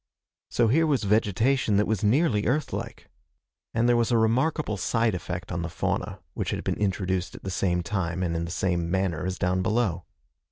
So here was vegetation that was nearly Earth like. And there was a remarkable side effect on the fauna which had been introduced at the same time and in the same manner as down below.